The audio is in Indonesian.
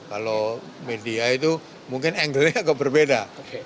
kalau media itu mungkin angle nya agak berbeda